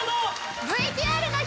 ＶＴＲの人！